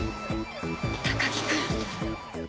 高木君